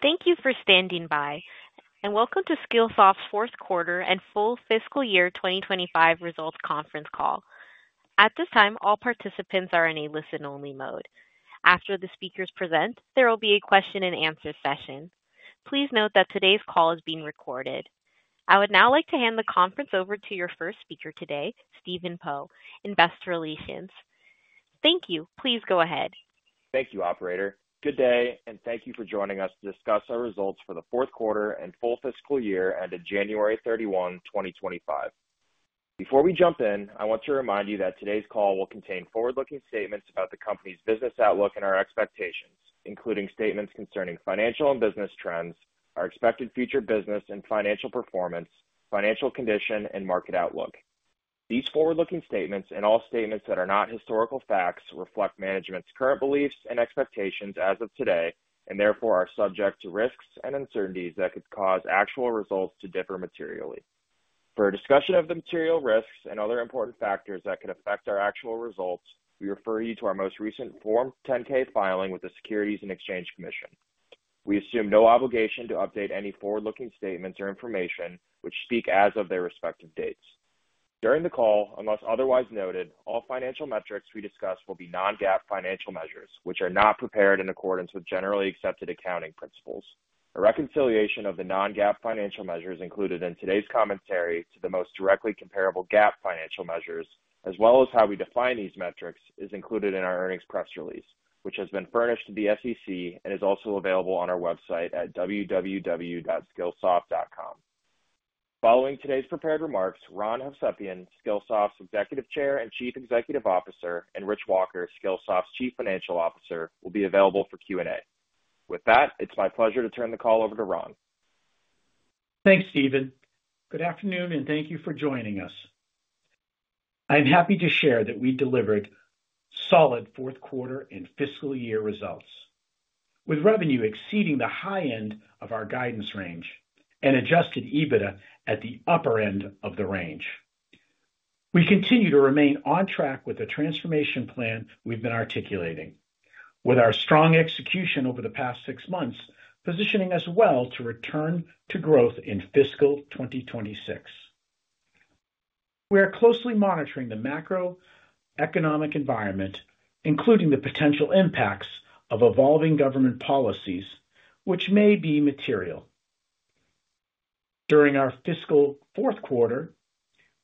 Thank you for standing by, and welcome to Skillsoft's fourth quarter and full fiscal year 2025 results conference call. At this time, all participants are in a listen-only mode. After the speakers present, there will be a question-and-answer session. Please note that today's call is being recorded. I would now like to hand the conference over to your first speaker today, Stephen Poe, Investor Relations. Thank you. Please go ahead. Thank you, Operator. Good day, and thank you for joining us to discuss our results for the fourth quarter and full fiscal year ended January 31, 2025. Before we jump in, I want to remind you that today's call will contain forward-looking statements about the company's business outlook and our expectations, including statements concerning financial and business trends, our expected future business and financial performance, financial condition, and market outlook. These forward-looking statements and all statements that are not historical facts reflect management's current beliefs and expectations as of today and therefore are subject to risks and uncertainties that could cause actual results to differ materially. For a discussion of the material risks and other important factors that could affect our actual results, we refer you to our most recent Form 10-K filing with the Securities and Exchange Commission. We assume no obligation to update any forward-looking statements or information which speak as of their respective dates. During the call, unless otherwise noted, all financial metrics we discuss will be non-GAAP financial measures, which are not prepared in accordance with generally accepted accounting principles. A reconciliation of the non-GAAP financial measures included in today's commentary to the most directly comparable GAAP financial measures, as well as how we define these metrics, is included in our earnings press release, which has been furnished to the SEC and is also available on our website at www.skillsoft.com. Following today's prepared remarks, Ron Hovsepian, Skillsoft's Executive Chair and Chief Executive Officer, and Rich Walker, Skillsoft's Chief Financial Officer, will be available for Q&A. With that, it's my pleasure to turn the call over to Ron. Thanks, Stephen. Good afternoon, and thank you for joining us. I'm happy to share that we delivered solid fourth quarter and fiscal year results, with revenue exceeding the high end of our guidance range and adjusted EBITDA at the upper end of the range. We continue to remain on track with the transformation plan we've been articulating, with our strong execution over the past six months positioning us well to return to growth in fiscal 2026. We are closely monitoring the macroeconomic environment, including the potential impacts of evolving government policies, which may be material. During our fiscal fourth quarter,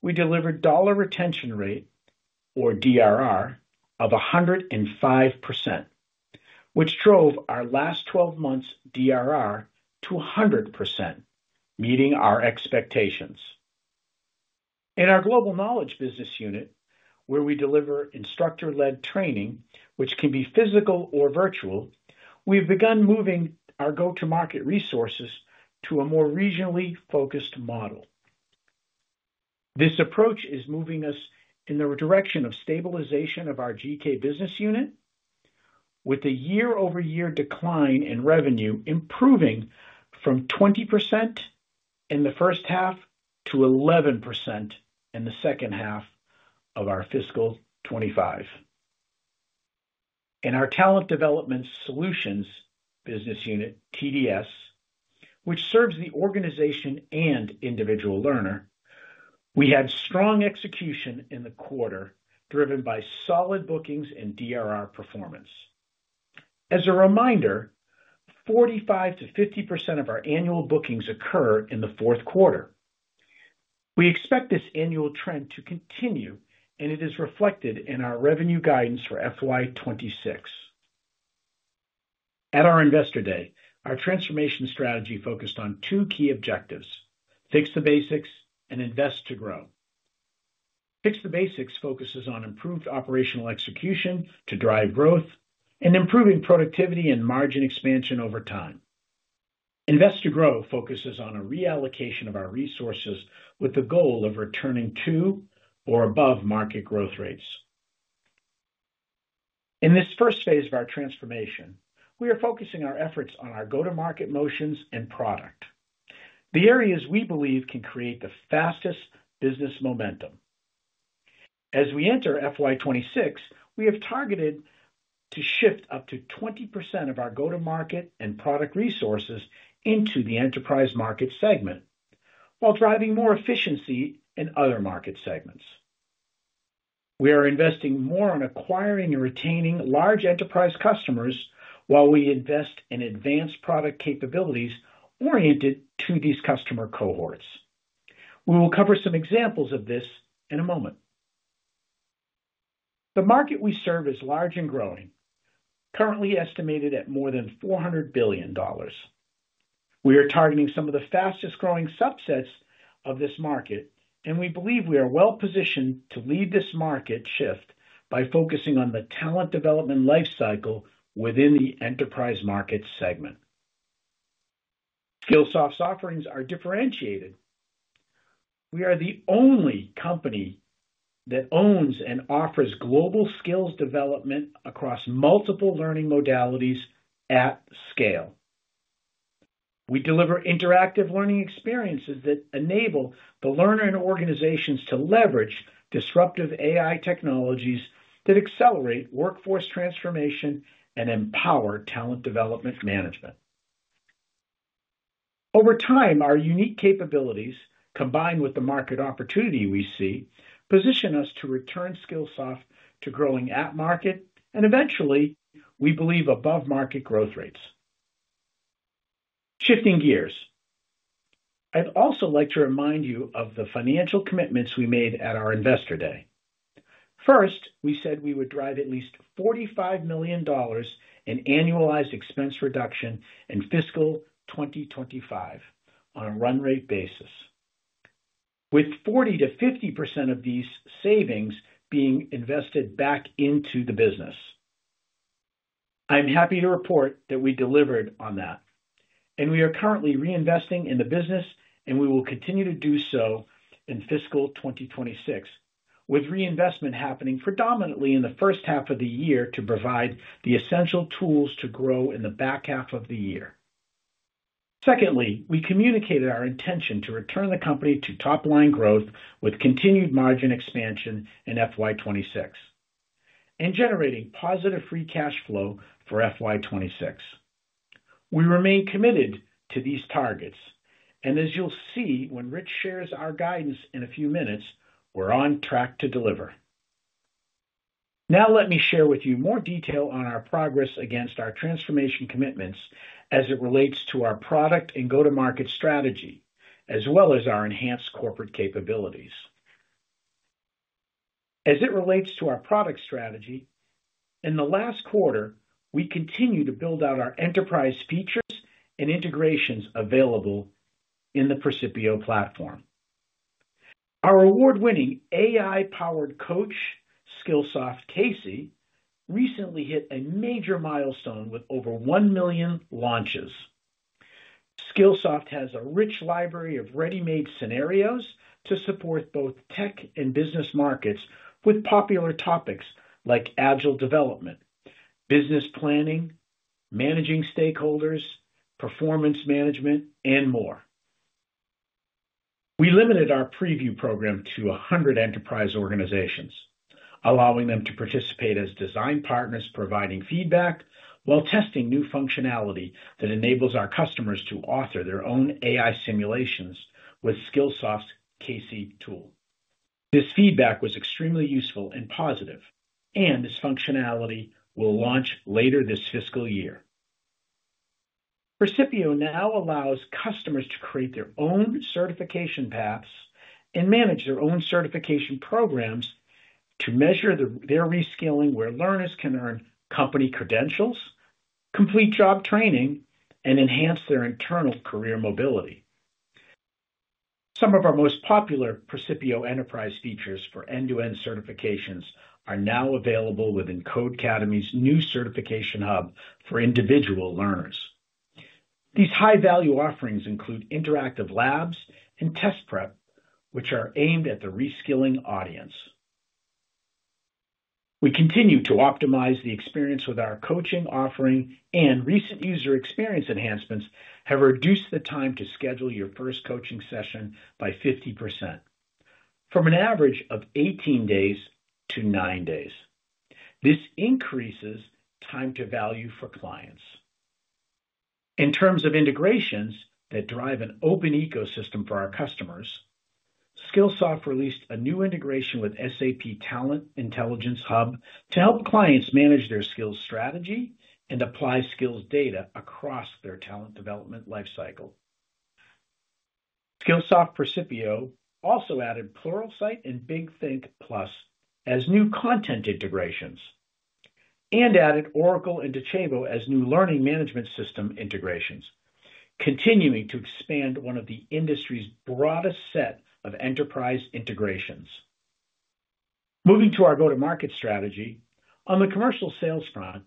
we delivered dollar retention rate, or DRR, of 105%, which drove our last 12 months' DRR to 100%, meeting our expectations. In our Global Knowledge business unit, where we deliver instructor-led training, which can be physical or virtual, we've begun moving our go-to-market resources to a more regionally focused model. This approach is moving us in the direction of stabilization of our GK business unit, with the year-over-year decline in revenue improving from 20% in the first half to 11% in the second half of our fiscal 2025. In our talent development solutions business unit, TDS, which serves the organization and individual learner, we had strong execution in the quarter driven by solid bookings and DRR performance. As a reminder, 45-50% of our annual bookings occur in the fourth quarter. We expect this annual trend to continue, and it is reflected in our revenue guidance for fiscal year 2026. At our Investor Day, our transformation strategy focused on two key objectives: Fix the Basics and Invest to Grow. Fix the Basics focuses on improved operational execution to drive growth and improving productivity and margin expansion over time. Invest to Grow focuses on a reallocation of our resources with the goal of returning to or above market growth rates. In this first phase of our transformation, we are focusing our efforts on our go-to-market motions and product, the areas we believe can create the fastest business momentum. As we enter FY 2026, we have targeted to shift up to 20% of our go-to-market and product resources into the enterprise market segment while driving more efficiency in other market segments. We are investing more in acquiring and retaining large enterprise customers while we invest in advanced product capabilities oriented to these customer cohorts. We will cover some examples of this in a moment. The market we serve is large and growing, currently estimated at more than $400 billion. We are targeting some of the fastest-growing subsets of this market, and we believe we are well-positioned to lead this market shift by focusing on the talent development lifecycle within the enterprise market segment. Skillsoft's offerings are differentiated. We are the only company that owns and offers global skills development across multiple learning modalities at scale. We deliver interactive learning experiences that enable the learner and organizations to leverage disruptive AI technologies that accelerate workforce transformation and empower talent development management. Over time, our unique capabilities, combined with the market opportunity we see, position us to return Skillsoft to growing at market and eventually, we believe, above market growth rates. Shifting gears, I'd also like to remind you of the financial commitments we made at our Investor Day. First, we said we would drive at least $45 million in annualized expense reduction in fiscal 2025 on a run-rate basis, with 40-50% of these savings being invested back into the business. I'm happy to report that we delivered on that, and we are currently reinvesting in the business, and we will continue to do so in fiscal 2026, with reinvestment happening predominantly in the first half of the year to provide the essential tools to grow in the back half of the year. Secondly, we communicated our intention to return the company to top-line growth with continued margin expansion in fiscal 2026 and generating positive free cash flow for fiscal 2026. We remain committed to these targets, and as you'll see when Rich shares our guidance in a few minutes, we're on track to deliver. Now, let me share with you more detail on our progress against our transformation commitments as it relates to our product and go-to-market strategy, as well as our enhanced corporate capabilities. As it relates to our product strategy, in the last quarter, we continue to build out our enterprise features and integrations available in the Percipio platform. Our award-winning AI-powered coach, Skillsoft CAISY, recently hit a major milestone with over 1 million launches. Skillsoft has a rich library of ready-made scenarios to support both tech and business markets with popular topics like agile development, business planning, managing stakeholders, performance management, and more. We limited our preview program to 100 enterprise organizations, allowing them to participate as design partners, providing feedback while testing new functionality that enables our customers to author their own AI simulations with Skillsoft's CAISY tool. This feedback was extremely useful and positive, and this functionality will launch later this fiscal year. Percipio now allows customers to create their own certification paths and manage their own certification programs to measure their reskilling, where learners can earn company credentials, complete job training, and enhance their internal career mobility. Some of our most popular Percipio enterprise features for end-to-end certifications are now available within Codecademy's new certification hub for individual learners. These high-value offerings include interactive labs and test prep, which are aimed at the reskilling audience. We continue to optimize the experience with our coaching offering, and recent user experience enhancements have reduced the time to schedule your first coaching session by 50%, from an average of 18 days to 9 days. This increases time-to-value for clients. In terms of integrations that drive an open ecosystem for our customers, Skillsoft released a new integration with SAP Talent Intelligence Hub to help clients manage their skills strategy and apply skills data across their talent development lifecycle. Skillsoft Percipio also added Pluralsight and Big Think Plus as new content integrations and added Oracle and Docebo as new learning management system integrations, continuing to expand one of the industry's broadest sets of enterprise integrations. Moving to our go-to-market strategy, on the commercial sales front,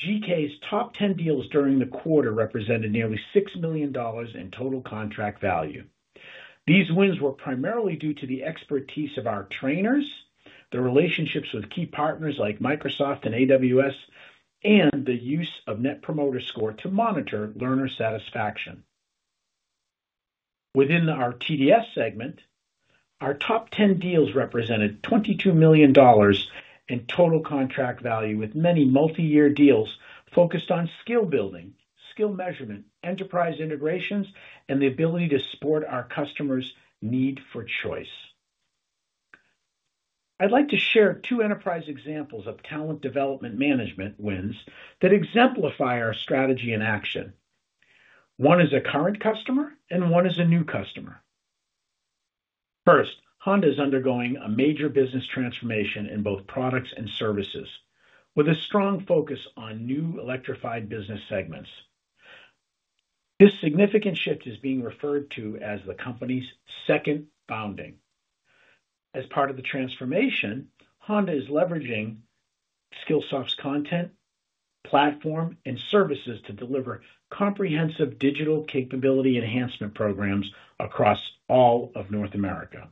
GK's top 10 deals during the quarter represented nearly $6 million in total contract value. These wins were primarily due to the expertise of our trainers, the relationships with key partners like Microsoft and AWS, and the use of Net Promoter Score to monitor learner satisfaction. Within our TDS segment, our top 10 deals represented $22 million in total contract value, with many multi-year deals focused on skill building, skill measurement, enterprise integrations, and the ability to support our customers' need for choice. I'd like to share two enterprise examples of talent development management wins that exemplify our strategy in action. One is a current customer, and one is a new customer. First, Honda is undergoing a major business transformation in both products and services, with a strong focus on new electrified business segments. This significant shift is being referred to as the company's Second founding. As part of the transformation, Honda is leveraging Skillsoft's content, platform, and services to deliver comprehensive digital capability enhancement programs across all of North America.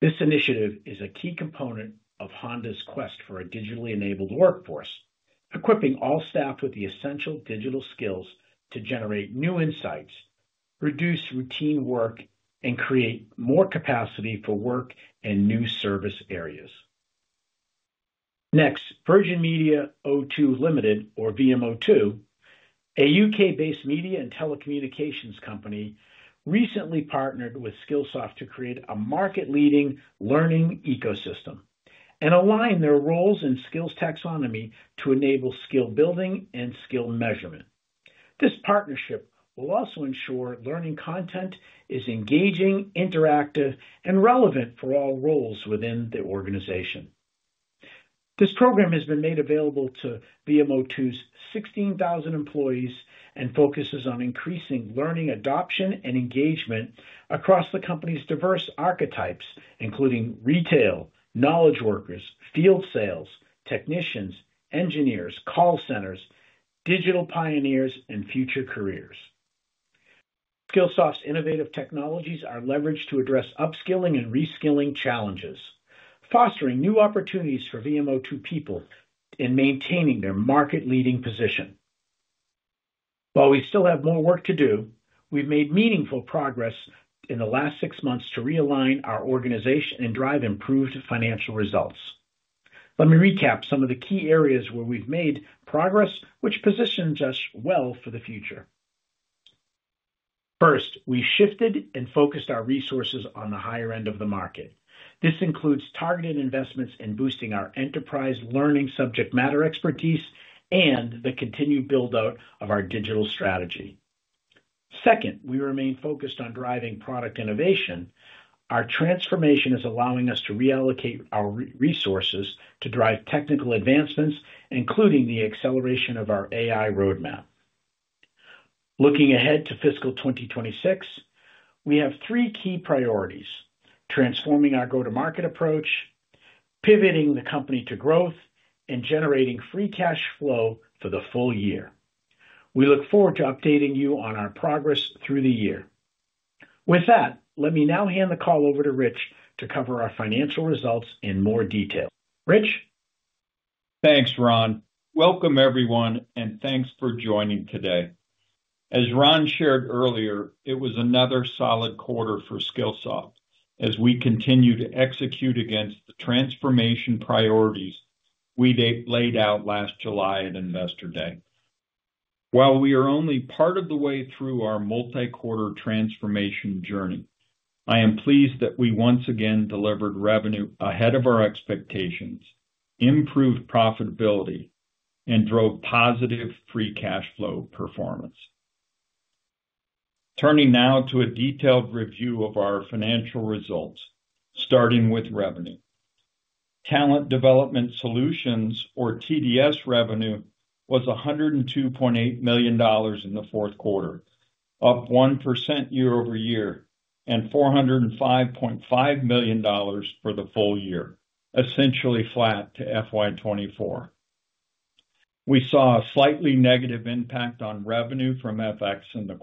This initiative is a key component of Honda's quest for a digitally enabled workforce, equipping all staff with the essential digital skills to generate new insights, reduce routine work, and create more capacity for work and new service areas. Next, Virgin Media O2 Limited, or VMO2, a U.K.-based media and telecommunications company, recently partnered with Skillsoft to create a market-leading learning ecosystem and align their roles in skills taxonomy to enable skill building and skill measurement. This partnership will also ensure learning content is engaging, interactive, and relevant for all roles within the organization. This program has been made available to VMO2's 16,000 employees and focuses on increasing learning adoption and engagement across the company's diverse archetypes, including retail, knowledge workers, field sales, technicians, engineers, call centers, digital pioneers, and future careers. Skillsoft's innovative technologies are leveraged to address upskilling and reskilling challenges, fostering new opportunities for VMO2 people and maintaining their market-leading position. While we still have more work to do, we've made meaningful progress in the last six months to realign our organization and drive improved financial results. Let me recap some of the key areas where we've made progress, which positions us well for the future. First, we shifted and focused our resources on the higher end of the market. This includes targeted investments in boosting our enterprise learning subject matter expertise and the continued build-out of our digital strategy. Second, we remain focused on driving product innovation. Our transformation is allowing us to reallocate our resources to drive technical advancements, including the acceleration of our AI roadmap. Looking ahead to fiscal 2026, we have three key priorities: transforming our go-to-market approach, pivoting the company to growth, and generating free cash flow for the full year. We look forward to updating you on our progress through the year. With that, let me now hand the call over to Rich to cover our financial results in more detail. Rich? Thanks, Ron. Welcome, everyone, and thanks for joining today. As Ron shared earlier, it was another solid quarter for Skillsoft as we continue to execute against the transformation priorities we laid out last July at Investor Day. While we are only part of the way through our multi-quarter transformation journey, I am pleased that we once again delivered revenue ahead of our expectations, improved profitability, and drove positive free cash flow performance. Turning now to a detailed review of our financial results, starting with revenue. Talent development solutions, or TDS revenue, was $102.8 million in the fourth quarter, up 1% year-over-year and $405.5 million for the full year, essentially flat to fiscal year 2024. We saw a slightly negative impact on revenue from FX in the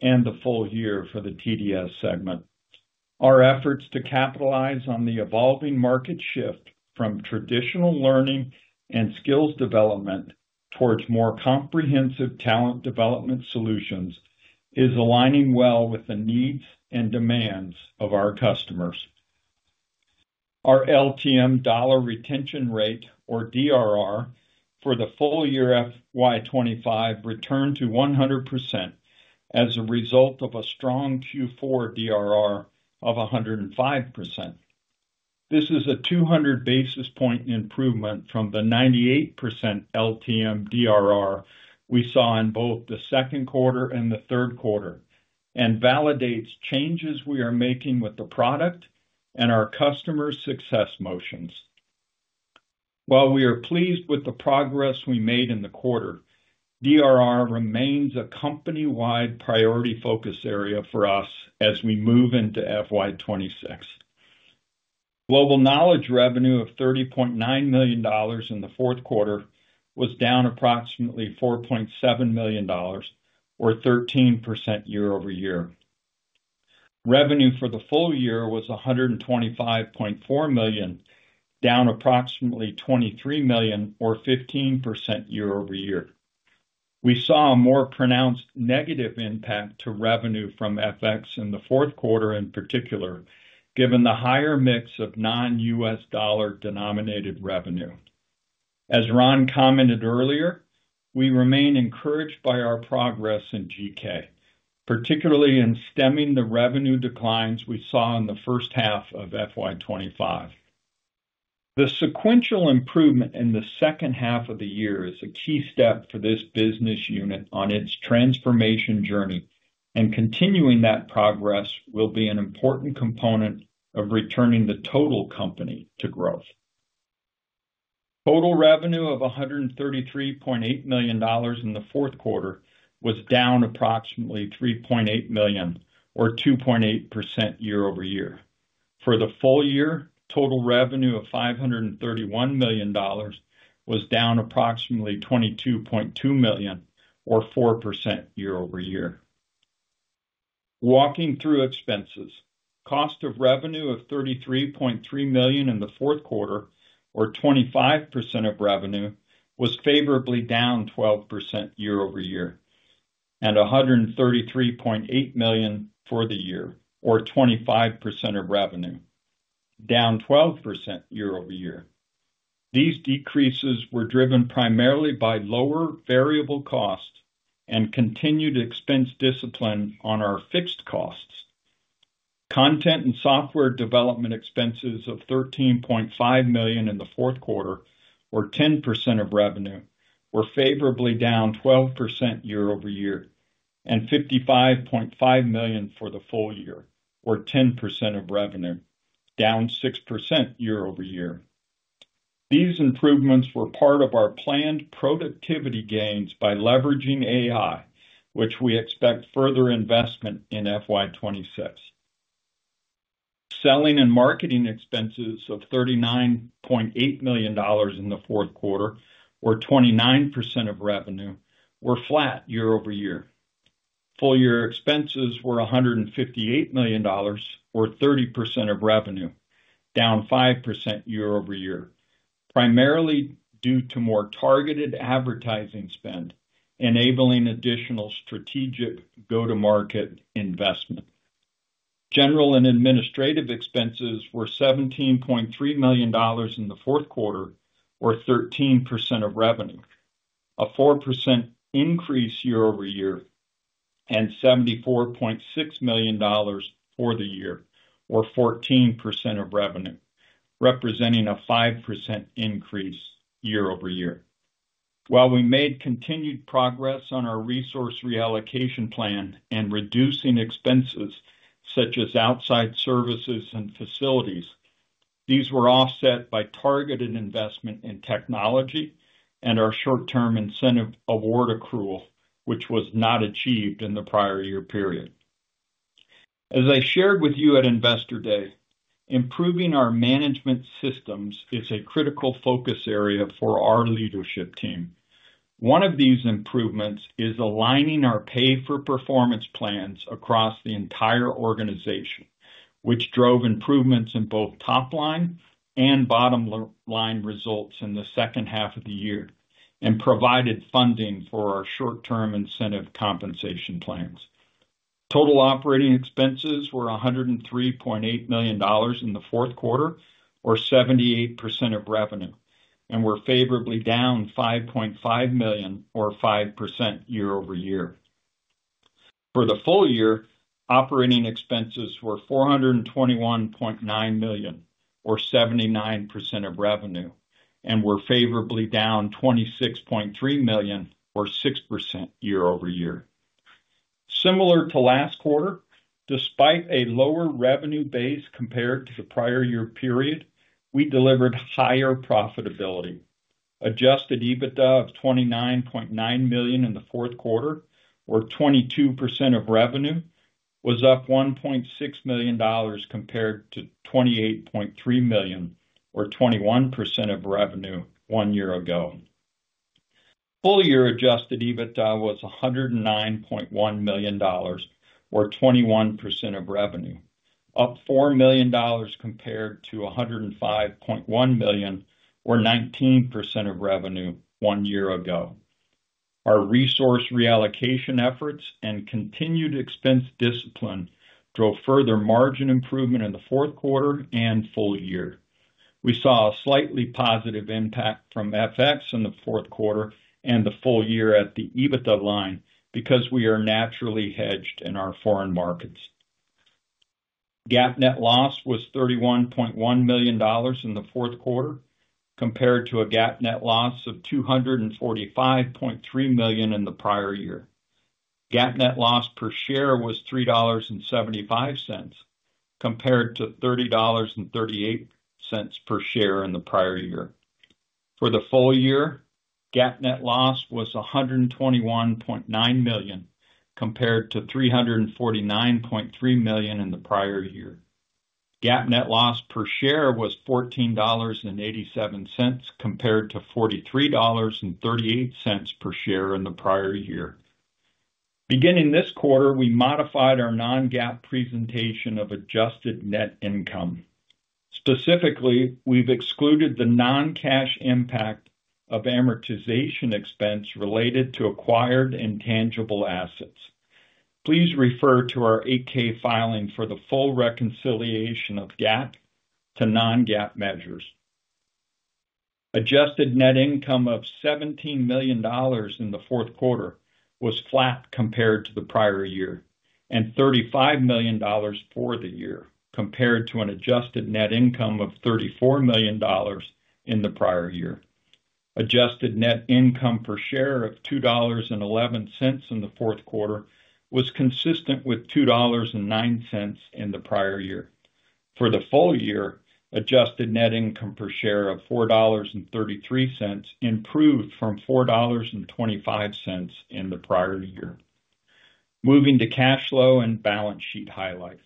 quarter and the full year for the TDS segment. Our efforts to capitalize on the evolving market shift from traditional learning and skills development towards more comprehensive talent development solutions is aligning well with the needs and demands of our customers. Our LTM dollar retention rate, or DRR, for the full year fiscal year 2025 returned to 100% as a result of a strong Q4 DRR of 105%. This is a 200 basis point improvement from the 98% LTM DRR we saw in both the second quarter and the third quarter and validates changes we are making with the product and our customer success motions. While we are pleased with the progress we made in the quarter, DRR remains a company-wide priority focus area for us as we move into FY 2026. Global Knowledge revenue of $30.9 million in the fourth quarter was down approximately $4.7 million, or 13% year-over-year. Revenue for the full year was $125.4 million, down approximately $23 million, or 15% year-over-year. We saw a more pronounced negative impact to revenue from FX in the fourth quarter in particular, given the higher mix of non-US dollar denominated revenue. As Ron commented earlier, we remain encouraged by our progress in Global Knowledge, particularly in stemming the revenue declines we saw in the first half of FY 2025. The sequential improvement in the second half of the year is a key step for this business unit on its transformation journey, and continuing that progress will be an important component of returning the total company to growth. Total revenue of $133.8 million in the fourth quarter was down approximately $3.8 million, or 2.8% year-over-year. For the full year, total revenue of $531 million was down approximately $22.2 million, or 4% year-over-year. Walking through expenses, cost of revenue of $33.3 million in the fourth quarter, or 25% of revenue, was favorably down 12% year-over-year, and $133.8 million for the year, or 25% of revenue, down 12% year-over-year. These decreases were driven primarily by lower variable cost and continued expense discipline on our fixed costs. Content and software development expenses of $13.5 million in the fourth quarter, or 10% of revenue, were favorably down 12% year-over-year, and $55.5 million for the full year, or 10% of revenue, down 6% year-over-year. These improvements were part of our planned productivity gains by leveraging AI, which we expect further investment in FY 2026. Selling and marketing expenses of $39.8 million in the fourth quarter, or 29% of revenue, were flat year-over-year. Full year expenses were $158 million, or 30% of revenue, down 5% year-over-year, primarily due to more targeted advertising spend, enabling additional strategic go-to-market investment. General and administrative expenses were $17.3 million in the fourth quarter, or 13% of revenue, a 4% increase year-over-year, and $74.6 million for the year, or 14% of revenue, representing a 5% increase year-over-year. While we made continued progress on our resource reallocation plan and reducing expenses such as outside services and facilities, these were offset by targeted investment in technology and our short-term incentive award accrual, which was not achieved in the prior year period. As I shared with you at Investor Day, improving our management systems is a critical focus area for our leadership team. One of these improvements is aligning our pay-for-performance plans across the entire organization, which drove improvements in both top-line and bottom-line results in the second half of the year and provided funding for our short-term incentive compensation plans. Total operating expenses were $103.8 million in the fourth quarter, or 78% of revenue, and were favorably down $5.5 million, or 5% year-over-year. For the full year, operating expenses were $421.9 million, or 79% of revenue, and were favorably down $26.3 million, or 6% year-over-year. Similar to last quarter, despite a lower revenue base compared to the prior year period, we delivered higher profitability. Adjusted EBITDA of $29.9 million in the fourth quarter, or 22% of revenue, was up $1.6 million compared to $28.3 million, or 21% of revenue one year ago. Full year adjusted EBITDA was $109.1 million, or 21% of revenue, up $4 million compared to $105.1 million, or 19% of revenue one year ago. Our resource reallocation efforts and continued expense discipline drove further margin improvement in the fourth quarter and full year. We saw a slightly positive impact from FX in the fourth quarter and the full year at the EBITDA line because we are naturally hedged in our foreign markets. GAAP net loss was $31.1 million in the fourth quarter compared to a GAAP net loss of $245.3 million in the prior year. GAAP net loss per share was $3.75 compared to $30.38 per share in the prior year. For the full year, GAAP net loss was $121.9 million compared to $349.3 million in the prior year. GAAP net loss per share was $14.87 compared to $43.38 per share in the prior year. Beginning this quarter, we modified our non-GAAP presentation of adjusted net income. Specifically, we've excluded the non-cash impact of amortization expense related to acquired intangible assets. Please refer to our 8-K filing for the full reconciliation of GAAP to non-GAAP measures. Adjusted net income of $17 million in the fourth quarter was flat compared to the prior year and $35 million for the year compared to an adjusted net income of $34 million in the prior year. Adjusted net income per share of $2.11 in the fourth quarter was consistent with $2.09 in the prior year. For the full year, adjusted net income per share of $4.33 improved from $4.25 in the prior year. Moving to cash flow and balance sheet highlights.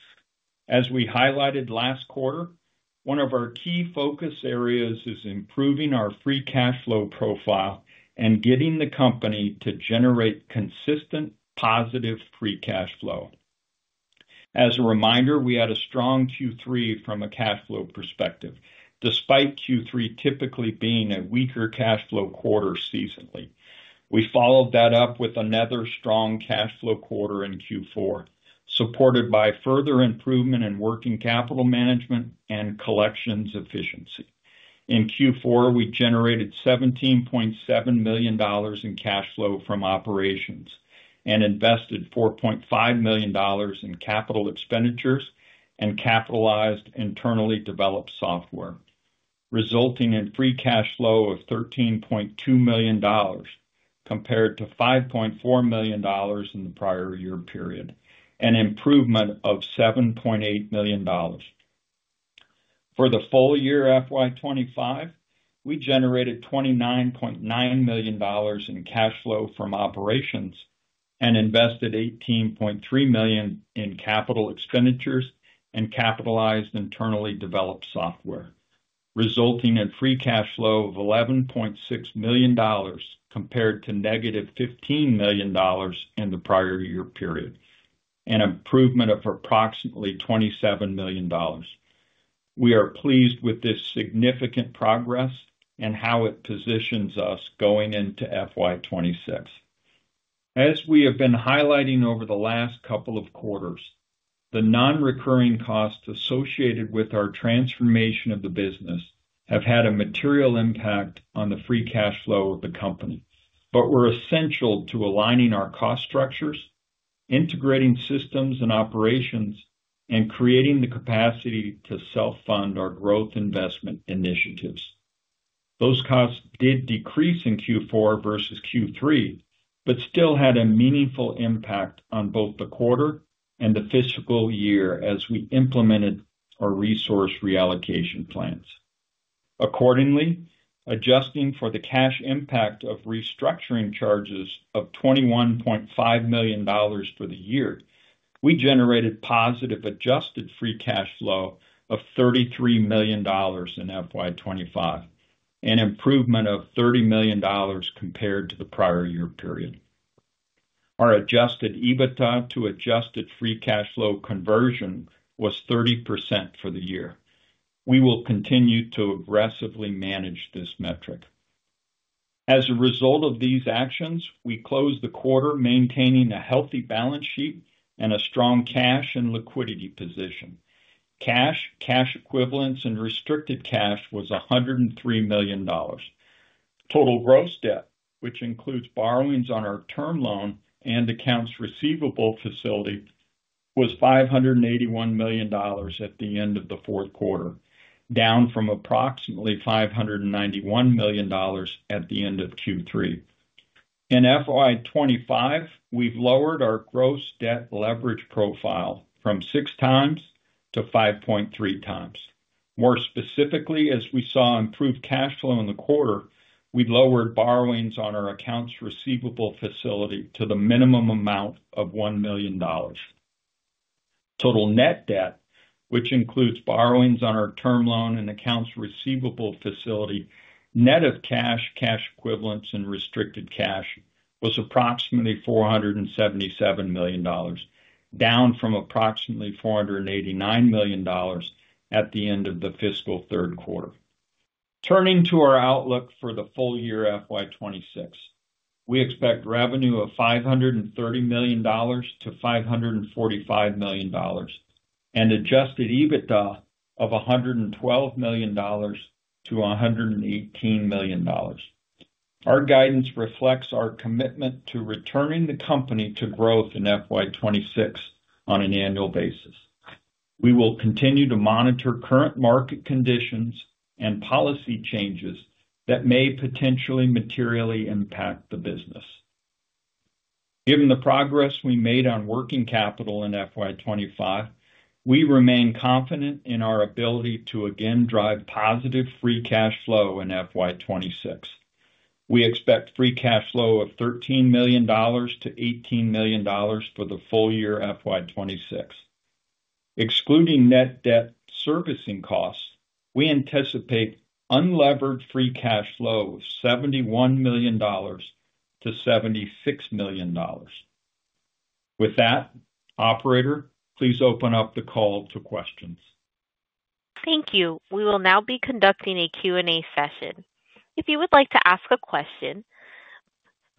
As we highlighted last quarter, one of our key focus areas is improving our free cash flow profile and getting the company to generate consistent positive free cash flow. As a reminder, we had a strong Q3 from a cash flow perspective, despite Q3 typically being a weaker cash flow quarter seasonally. We followed that up with another strong cash flow quarter in Q4, supported by further improvement in working capital management and collections efficiency. In Q4, we generated $17.7 million in cash flow from operations and invested $4.5 million in capital expenditures and capitalized internally developed software, resulting in free cash flow of $13.2 million compared to $5.4 million in the prior year period and improvement of $7.8 million. For the full year FY 2025, we generated $29.9 million in cash flow from operations and invested $18.3 million in capital expenditures and capitalized internally developed software, resulting in free cash flow of $11.6 million compared to negative $15 million in the prior year period, an improvement of approximately $27 million. We are pleased with this significant progress and how it positions us going into FY 2026. As we have been highlighting over the last couple of quarters, the non-recurring costs associated with our transformation of the business have had a material impact on the free cash flow of the company, but were essential to aligning our cost structures, integrating systems and operations, and creating the capacity to self-fund our growth investment initiatives. Those costs did decrease in Q4 versus Q3, but still had a meaningful impact on both the quarter and the fiscal year as we implemented our resource reallocation plans. Accordingly, adjusting for the cash impact of restructuring charges of $21.5 million for the year, we generated positive adjusted free cash flow of $33 million in FY 2025, an improvement of $30 million compared to the prior year period. Our adjusted EBITDA to adjusted free cash flow conversion was 30% for the year. We will continue to aggressively manage this metric. As a result of these actions, we closed the quarter maintaining a healthy balance sheet and a strong cash and liquidity position. Cash, cash equivalents, and restricted cash was $103 million. Total gross debt, which includes borrowings on our term loan and accounts receivable facility, was $581 million at the end of the fourth quarter, down from approximately $591 million at the end of Q3. In FY 2025, we've lowered our gross debt leverage profile from six times to 5.3 times. More specifically, as we saw improved cash flow in the quarter, we lowered borrowings on our accounts receivable facility to the minimum amount of $1 million. Total net debt, which includes borrowings on our term loan and accounts receivable facility, net of cash, cash equivalents, and restricted cash, was approximately $477 million, down from approximately $489 million at the end of the fiscal third quarter. Turning to our outlook for the full year FY 2026, we expect revenue of $530 million-$545 million and adjusted EBITDA of $112 million-$118 million. Our guidance reflects our commitment to returning the company to growth in FY 2026 on an annual basis. We will continue to monitor current market conditions and policy changes that may potentially materially impact the business. Given the progress we made on working capital in FY 2025, we remain confident in our ability to again drive positive free cash flow in FY 2026. We expect free cash flow of $13 million-$18 million for the full year FY 2026. Excluding net debt servicing costs, we anticipate unlevered free cash flow of $71 million-$76 million. With that, Operator, please open up the call to questions. Thank you. We will now be conducting a Q&A session. If you would like to ask a question,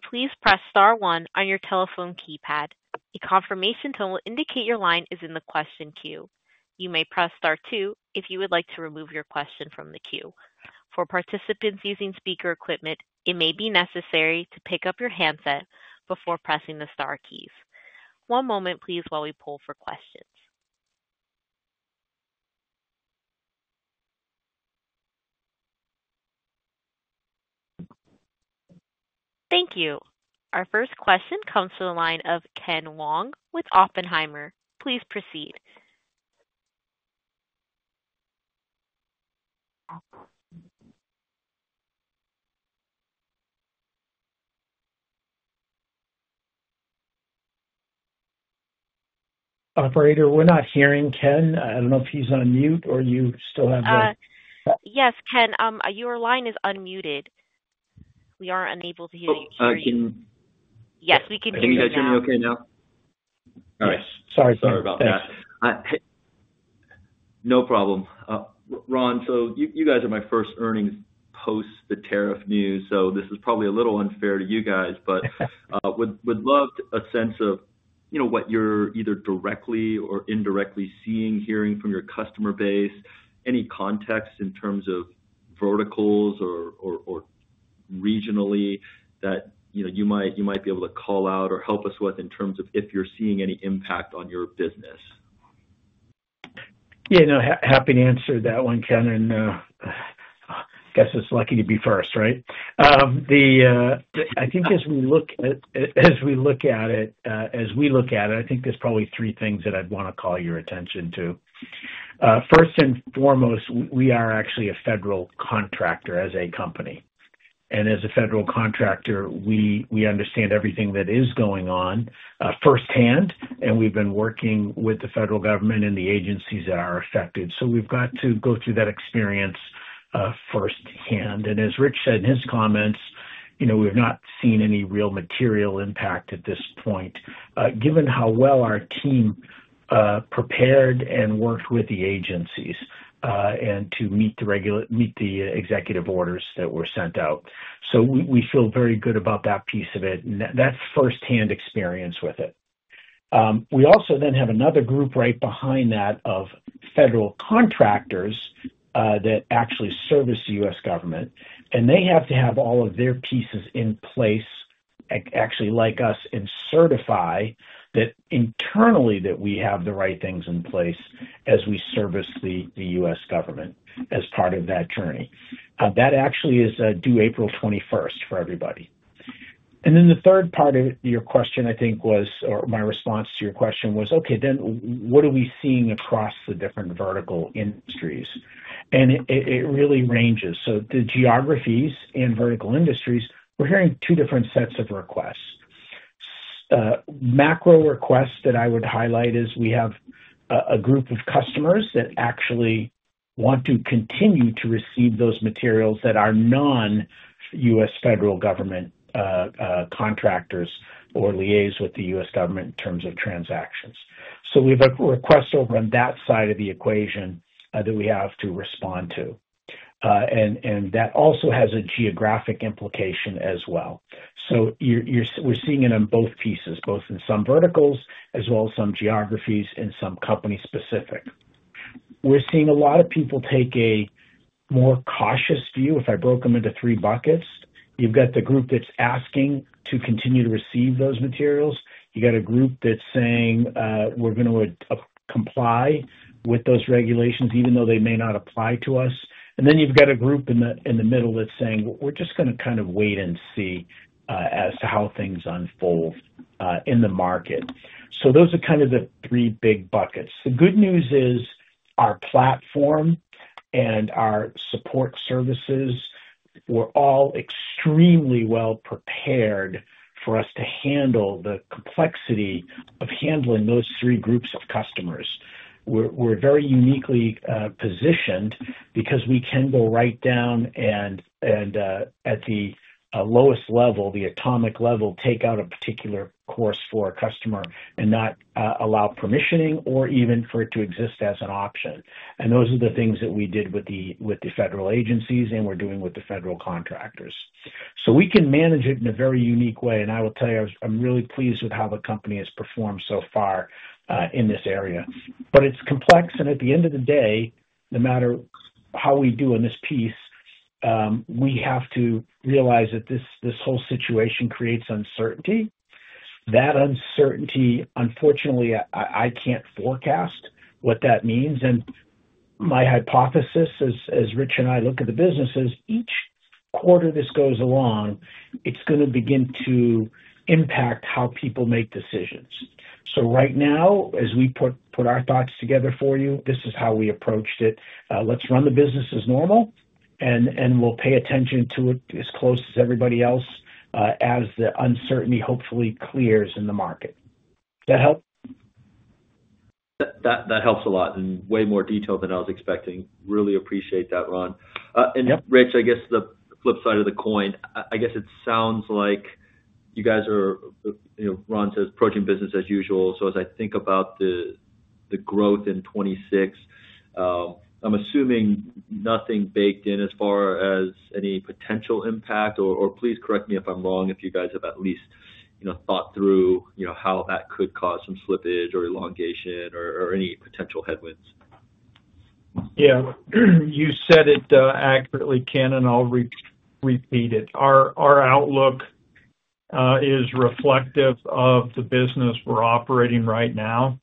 please press star one on your telephone keypad. A confirmation tone will indicate your line is in the question queue. You may press star two if you would like to remove your question from the queue. For participants using speaker equipment, it may be necessary to pick up your handset before pressing the star keys. One moment, please, while we pull for questions. Thank you. Our first question comes to the line of Ken Wong with Oppenheimer. Please proceed. Operator, we are not hearing Ken. I do not know if he is on mute or you still have the— Yes, Ken, your line is unmuted. We are unable to hear you, I can. Yes, we can hear you. Can you guys hear me okay now? All right. Sorry about that. No problem. Ron, so you guys are my first earnings post the tariff news, so this is probably a little unfair to you guys, but would love a sense of what you're either directly or indirectly seeing, hearing from your customer base, any context in terms of verticals or regionally that you might be able to call out or help us with in terms of if you're seeing any impact on your business. Yeah, no, happy to answer that one, Ken. I guess it's lucky to be first, right? I think as we look at it, as we look at it, I think there's probably three things that I'd want to call your attention to. First and foremost, we are actually a federal contractor as a company. As a federal contractor, we understand everything that is going on firsthand, and we have been working with the federal government and the agencies that are affected. We have gone through that experience firsthand. As Rich said in his comments, we have not seen any real material impact at this point, given how well our team prepared and worked with the agencies to meet the executive orders that were sent out. We feel very good about that piece of it, that firsthand experience with it. We also have another group right behind that of federal contractors that actually service the U.S. government, and they have to have all of their pieces in place, actually like us, and certify that internally that we have the right things in place as we service the U.S. government as part of that journey. That actually is due April 21st for everybody. The third part of your question, I think, was, or my response to your question was, okay, then what are we seeing across the different vertical industries? It really ranges. The geographies and vertical industries, we're hearing two different sets of requests. Macro requests that I would highlight is we have a group of customers that actually want to continue to receive those materials that are non-U.S. federal government contractors or liaise with the U.S. government in terms of transactions. We have a request over on that side of the equation that we have to respond to. That also has a geographic implication as well. We're seeing it on both pieces, both in some verticals as well as some geographies and some company-specific. We're seeing a lot of people take a more cautious view. If I broke them into three buckets, you've got the group that's asking to continue to receive those materials. You got a group that's saying, "We're going to comply with those regulations," even though they may not apply to us. You got a group in the middle that's saying, "We're just going to kind of wait and see as to how things unfold in the market." Those are kind of the three big buckets. The good news is our platform and our support services were all extremely well prepared for us to handle the complexity of handling those three groups of customers. We're very uniquely positioned because we can go right down and at the lowest level, the atomic level, take out a particular course for a customer and not allow permissioning or even for it to exist as an option. Those are the things that we did with the federal agencies and we are doing with the federal contractors. We can manage it in a very unique way. I will tell you, I am really pleased with how the company has performed so far in this area. It is complex. At the end of the day, no matter how we do on this piece, we have to realize that this whole situation creates uncertainty. That uncertainty, unfortunately, I cannot forecast what that means. My hypothesis, as Rich and I look at the businesses, is each quarter this goes along, it is going to begin to impact how people make decisions. Right now, as we put our thoughts together for you, this is how we approached it. Let's run the business as normal, and we'll pay attention to it as close as everybody else as the uncertainty hopefully clears in the market. Does that help? That helps a lot and way more detail than I was expecting. Really appreciate that, Ron. Rich, I guess the flip side of the coin, I guess it sounds like you guys are, as Ron says, approaching business as usual. As I think about the growth in 2026, I'm assuming nothing baked in as far as any potential impact. Please correct me if I'm wrong, if you guys have at least thought through how that could cause some slippage or elongation or any potential headwinds. Yeah. You said it accurately, Ken, and I'll repeat it. Our outlook is reflective of the business we're operating right now.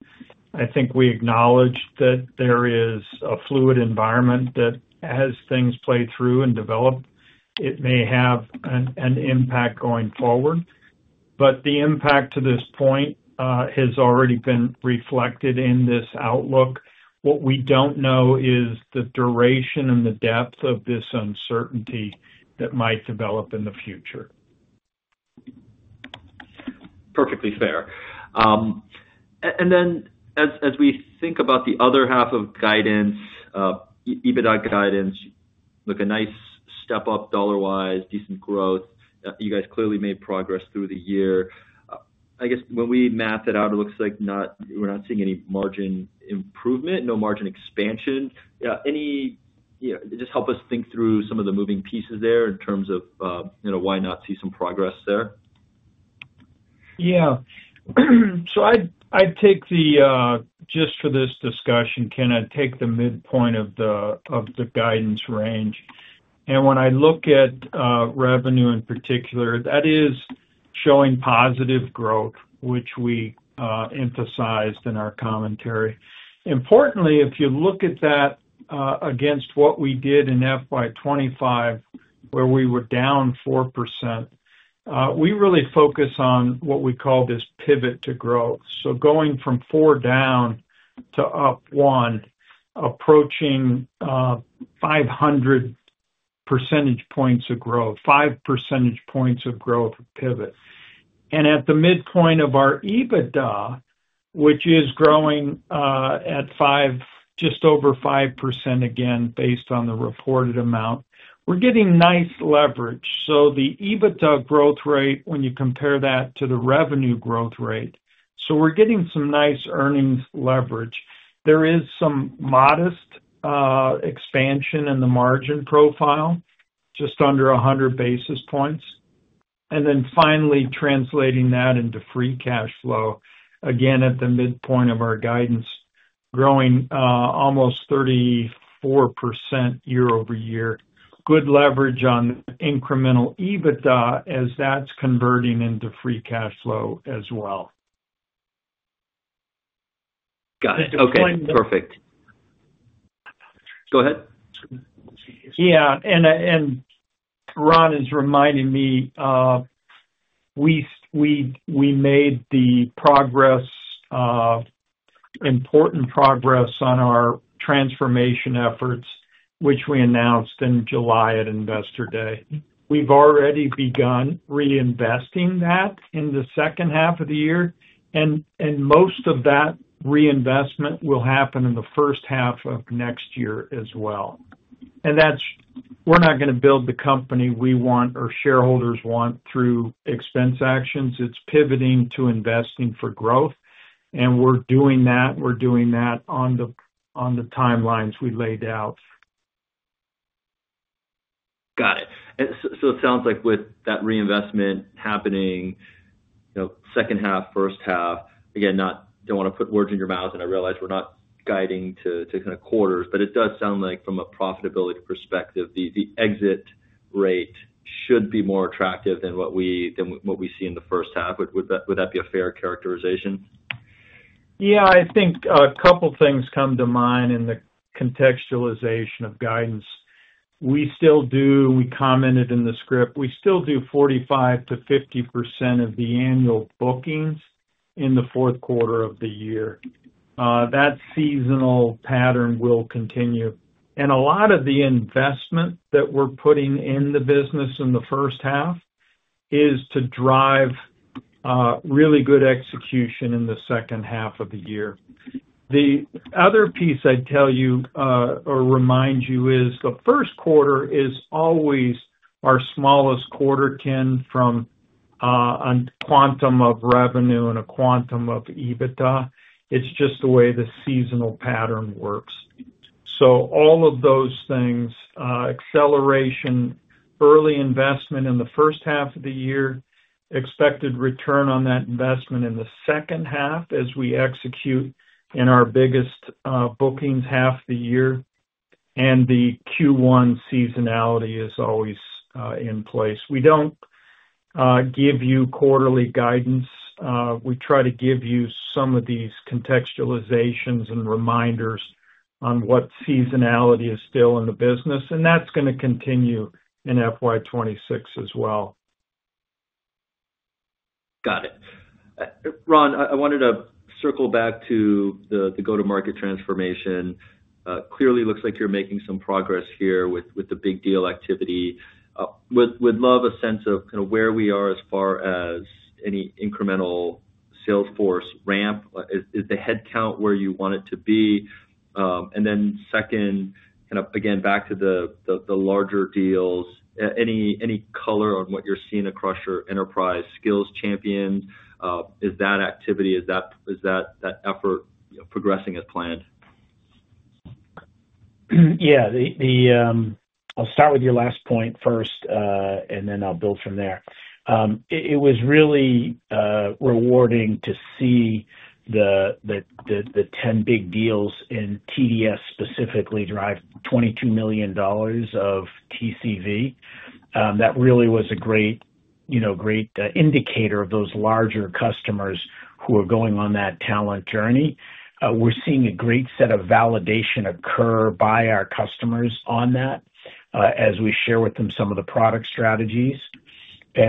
I think we acknowledge that there is a fluid environment that as things play through and develop, it may have an impact going forward. The impact to this point has already been reflected in this outlook. What we do not know is the duration and the depth of this uncertainty that might develop in the future. Perfectly fair. As we think about the other half of guidance, EBITDA guidance, look, a nice step up dollar-wise, decent growth. You guys clearly made progress through the year. I guess when we map that out, it looks like we are not seeing any margin improvement, no margin expansion. Just help us think through some of the moving pieces there in terms of why not see some progress there. Yeah. I would take the just for this discussion, Ken, I would take the midpoint of the guidance range. When I look at revenue in particular, that is showing positive growth, which we emphasized in our commentary. Importantly, if you look at that against what we did in fiscal year 2025, where we were down 4%, we really focus on what we call this pivot to growth. Going from four down to up one, approaching 500 percentage points of growth, 5 percentage points of growth pivot. At the midpoint of our EBITDA, which is growing at just over 5% again based on the reported amount, we're getting nice leverage. The EBITDA growth rate, when you compare that to the revenue growth rate, we're getting some nice earnings leverage. There is some modest expansion in the margin profile, just under 100 basis points. Finally, translating that into free cash flow, again at the midpoint of our guidance, growing almost 34% year over year. Good leverage on incremental EBITDA as that's converting into free cash flow as well. Got it. Okay. Perfect. Go ahead. Yeah. Ron is reminding me we made the progress, important progress on our transformation efforts, which we announced in July at Investor Day. We've already begun reinvesting that in the second half of the year. Most of that reinvestment will happen in the first half of next year as well. We're not going to build the company we want or shareholders want through expense actions. It's pivoting to investing for growth. We're doing that. We're doing that on the timelines we laid out. Got it. It sounds like with that reinvestment happening, second half, first half, again, don't want to put words in your mouth, and I realize we're not guiding to kind of quarters, but it does sound like from a profitability perspective, the exit rate should be more attractive than what we see in the first half. Would that be a fair characterization? Yeah. I think a couple of things come to mind in the contextualization of guidance. We still do, we commented in the script, we still do 45%-50% of the annual bookings in the fourth quarter of the year. That seasonal pattern will continue. A lot of the investment that we're putting in the business in the first half is to drive really good execution in the second half of the year. The other piece I'd tell you or remind you is the first quarter is always our smallest quarter, Ken, from a quantum of revenue and a quantum of EBITDA. It's just the way the seasonal pattern works. All of those things, acceleration, early investment in the first half of the year, expected return on that investment in the second half as we execute in our biggest bookings half of the year, and the Q1 seasonality is always in place. We don't give you quarterly guidance. We try to give you some of these contextualizations and reminders on what seasonality is still in the business. That's going to continue in FY 2026 as well. Got it. Ron, I wanted to circle back to the go-to-market transformation. Clearly, it looks like you're making some progress here with the big deal activity. Would love a sense of kind of where we are as far as any incremental sales force ramp. Is the headcount where you want it to be? Then second, kind of again, back to the larger deals, any color on what you're seeing across your enterprise skills champion? Is that activity, is that effort progressing as planned? Yeah. I'll start with your last point first, and then I'll build from there. It was really rewarding to see the 10 big deals in TDS specifically drive $22 million of TCV. That really was a great indicator of those larger customers who are going on that talent journey. We're seeing a great set of validation occur by our customers on that as we share with them some of the product strategies.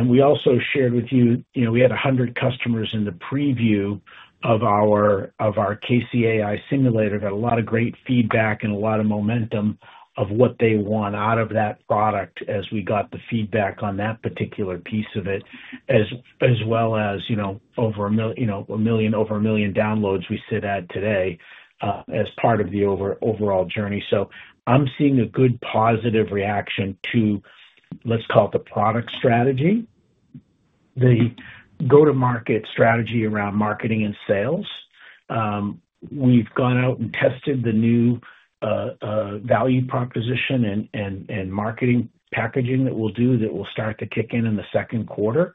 We also shared with you, we had 100 customers in the preview of our CAISY simulator that had a lot of great feedback and a lot of momentum of what they want out of that product as we got the feedback on that particular piece of it, as well as over a million, over a million downloads we sit at today as part of the overall journey. I'm seeing a good positive reaction to, let's call it the product strategy, the go-to-market strategy around marketing and sales. We've gone out and tested the new value proposition and marketing packaging that we'll do that will start to kick in in the second quarter.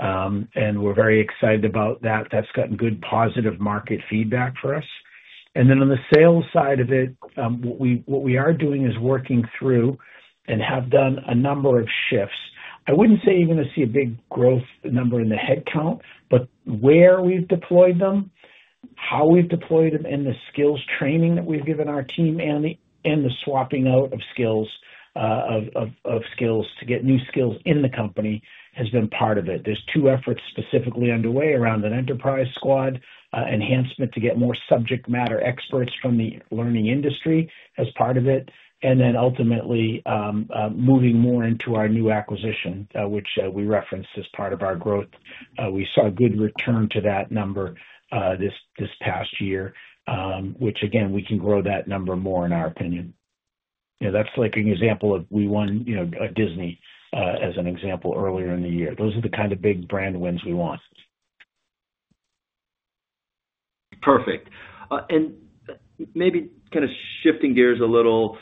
We're very excited about that. That's gotten good positive market feedback for us. On the sales side of it, what we are doing is working through and have done a number of shifts. I wouldn't say you're going to see a big growth number in the headcount, but where we've deployed them, how we've deployed them, and the skills training that we've given our team and the swapping out of skills to get new skills in the company has been part of it. There are two efforts specifically underway around an enterprise squad enhancement to get more subject matter experts from the learning industry as part of it. Ultimately, moving more into our new acquisition, which we referenced as part of our growth. We saw a good return to that number this past year, which again, we can grow that number more in our opinion. That's like an example of we won Disney as an example earlier in the year. Those are the kind of big brand wins we want. Perfect. Maybe kind of shifting gears a little,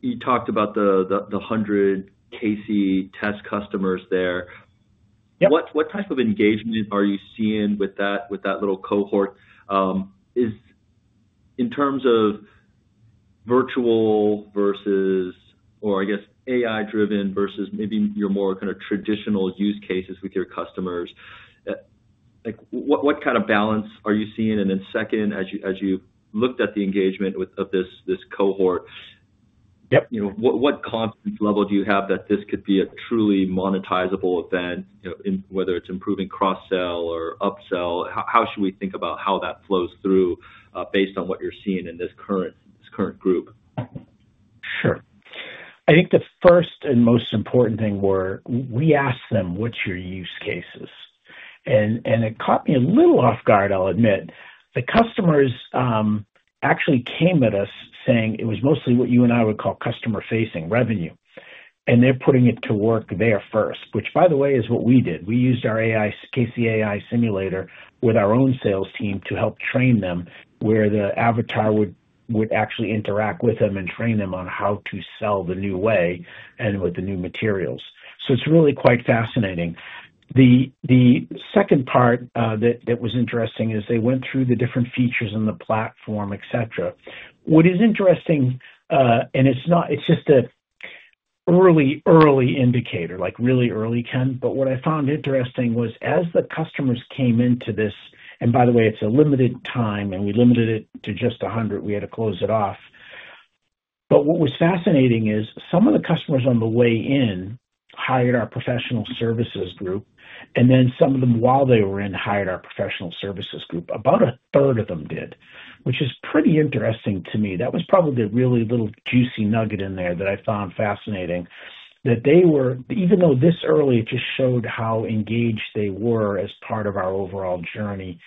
you talked about the 100 KC test customers there. What type of engagement are you seeing with that little cohort? In terms of virtual versus, or I guess AI-driven versus maybe your more kind of traditional use cases with your customers, what kind of balance are you seeing? Then second, as you looked at the engagement of this cohort, what confidence level do you have that this could be a truly monetizable event, whether it's improving cross-sell or upsell? How should we think about how that flows through based on what you're seeing in this current group? Sure. I think the first and most important thing were, we asked them, "What's your use cases?" It caught me a little off guard, I'll admit. The customers actually came at us saying it was mostly what you and I would call customer-facing revenue. They are putting it to work there first, which, by the way, is what we did. We used our CAISY simulator with our own sales team to help train them where the avatar would actually interact with them and train them on how to sell the new way and with the new materials. It is really quite fascinating. The second part that was interesting is they went through the different features in the platform, etc. What is interesting, and it is just an early, early indicator, like really early, Ken, what I found interesting was as the customers came into this, and by the way, it is a limited time, and we limited it to just 100, we had to close it off. What was fascinating is some of the customers on the way in hired our professional services group, and then some of them, while they were in, hired our professional services group. About a third of them did, which is pretty interesting to me. That was probably a really little juicy nugget in there that I found fascinating that they were, even though this early, it just showed how engaged they were as part of our overall journey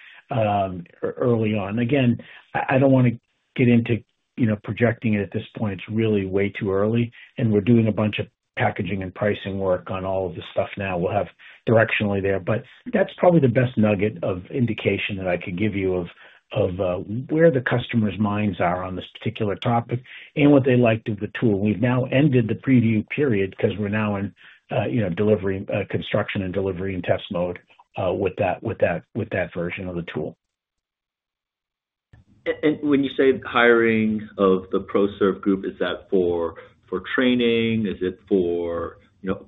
early on. Again, I don't want to get into projecting it at this point. It's really way too early. We're doing a bunch of packaging and pricing work on all of this stuff now. We'll have directionally there. That's probably the best nugget of indication that I could give you of where the customers' minds are on this particular topic and what they liked of the tool. We've now ended the preview period because we're now in construction and delivery and test mode with that version of the tool. When you say hiring of the ProServe group, is that for training? Is it for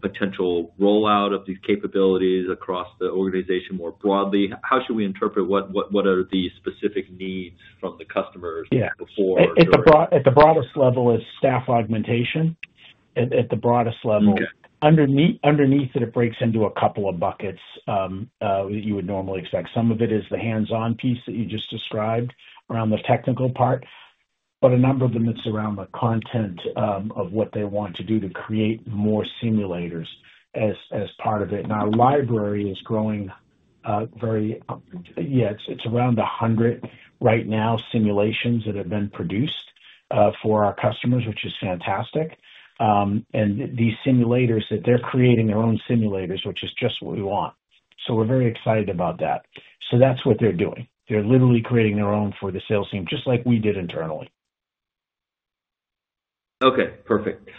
potential rollout of these capabilities across the organization more broadly? How should we interpret what are the specific needs from the customers before? At the broadest level is staff augmentation. At the broadest level. Underneath it, it breaks into a couple of buckets that you would normally expect. Some of it is the hands-on piece that you just described around the technical part. A number of them is around the content of what they want to do to create more simulators as part of it. Our library is growing. Yeah, it's around 100 right now, simulations that have been produced for our customers, which is fantastic. These simulators, they're creating their own simulators, which is just what we want. We're very excited about that. That's what they're doing. They're literally creating their own for the sales team, just like we did internally. Perfect.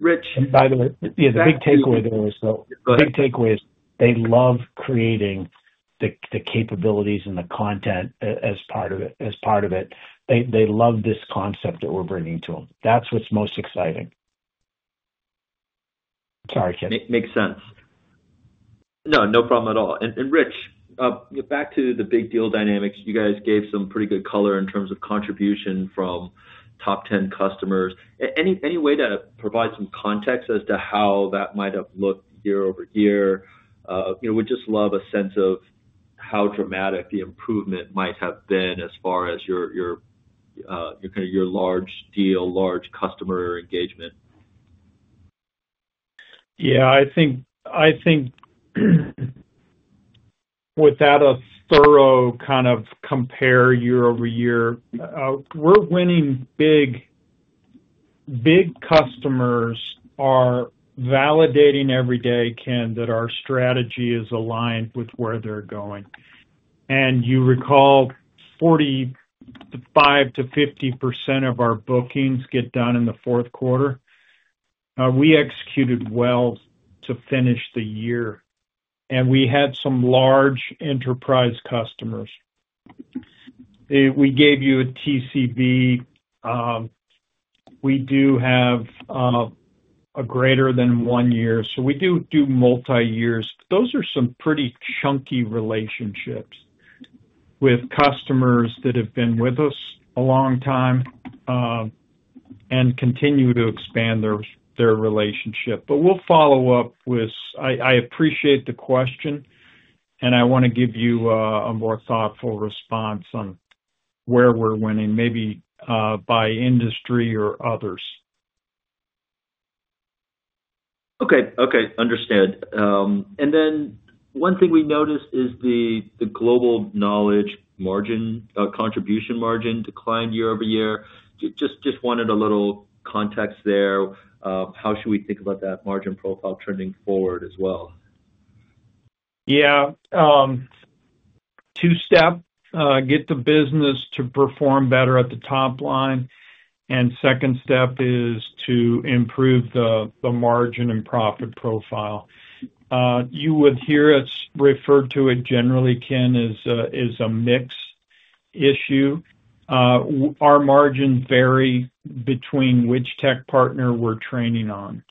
Rich. By the way, the big takeaway there is the big takeaway is they love creating the capabilities and the content as part of it. They love this concept that we're bringing to them. That's what's most exciting. Sorry, Ken. Makes sense. No problem at all. Rich, back to the big deal dynamics, you guys gave some pretty good color in terms of contribution from Top 10 customers. Any way to provide some context as to how that might have looked year over year? We'd just love a sense of how dramatic the improvement might have been as far as your kind of your large deal, large customer engagement. Yeah. I think without a thorough kind of compare year over year, we're winning big customers are validating every day, Ken, that our strategy is aligned with where they're going. You recall 45%-50% of our bookings get done in the fourth quarter. We executed well to finish the year. We had some large enterprise customers. We gave you a TCV. We do have a greater than one year. We do do multi-years. Those are some pretty chunky relationships with customers that have been with us a long time and continue to expand their relationship. We'll follow up with I appreciate the question, and I want to give you a more thoughtful response on where we're winning, maybe by industry or others. Okay. Okay. Understood. One thing we noticed is the Global Knowledge contribution margin declined year over year. Just wanted a little context there. How should we think about that margin profile trending forward as well? Yeah. Two-step, get the business to perform better at the top line. Second step is to improve the margin and profit profile. You would hear us refer to it generally, Ken, as a mix issue. Our margins vary between which tech partner we're training on.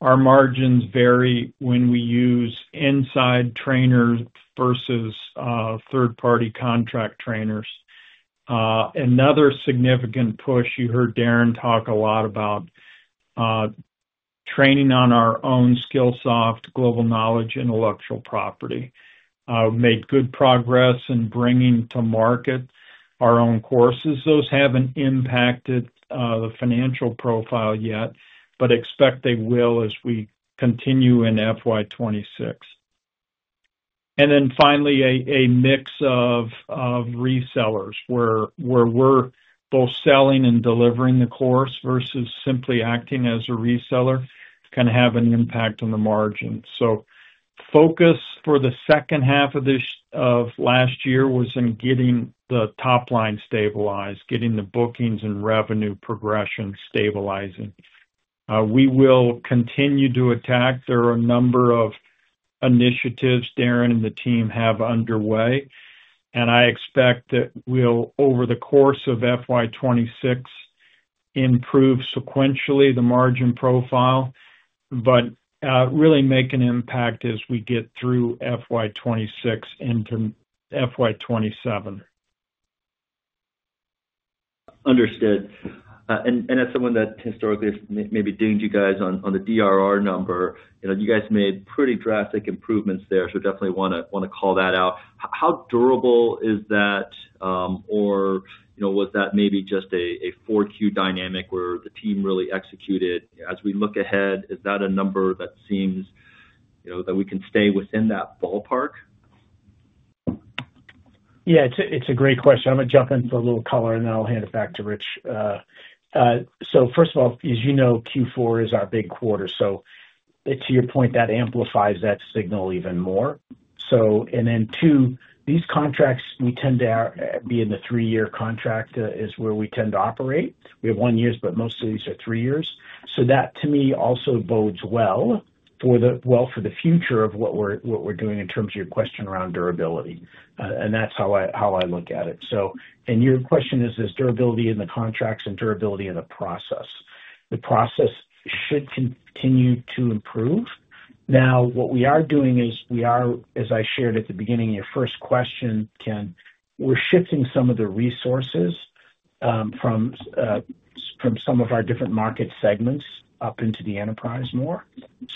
Our margins vary when we use inside trainers versus third-party contract trainers. Another significant push you heard Darren talk a lot about, training on our own Skillsoft, Global Knowledge, intellectual property. Made good progress in bringing to market our own courses. Those have not impacted the financial profile yet, but expect they will as we continue in FY 2026. Finally, a mix of resellers where we are both selling and delivering the course versus simply acting as a reseller can have an impact on the margin. Focus for the second half of last year was in getting the top line stabilized, getting the bookings and revenue progression stabilizing. We will continue to attack. There are a number of initiatives Darren and the team have underway. I expect that we will, over the course of FY 2026, improve sequentially the margin profile, but really make an impact as we get through FY 2026 into FY 2027. Understood. As someone that historically has maybe deigned you guys on the DRR number, you guys made pretty drastic improvements there, so definitely want to call that out. How durable is that, or was that maybe just a Q4 dynamic where the team really executed? As we look ahead, is that a number that seems that we can stay within that ballpark? Yeah. It's a great question. I'm going to jump in for a little color, and then I'll hand it back to Rich. First of all, as you know, Q4 is our big quarter. To your point, that amplifies that signal even more. Two, these contracts, we tend to be in the three-year contract is where we tend to operate. We have one year, but most of these are three years. That, to me, also bodes well for the future of what we're doing in terms of your question around durability. That's how I look at it. Your question is, is durability in the contracts and durability in the process? The process should continue to improve. Now, what we are doing is we are, as I shared at the beginning of your first question, Ken, we're shifting some of the resources from some of our different market segments up into the enterprise more.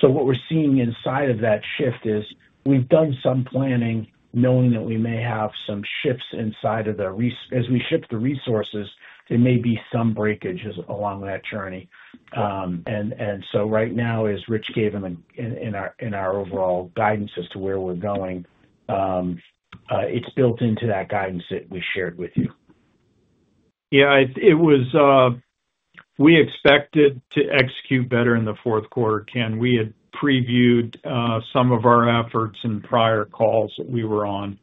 What we're seeing inside of that shift is we've done some planning knowing that we may have some shifts inside of the, as we shift the resources, there may be some breakages along that journey. Right now, as Rich gave in our overall guidance as to where we're going, it's built into that guidance that we shared with you. Yeah. We expected to execute better in the fourth quarter, Ken. We had previewed some of our efforts in prior calls that we were on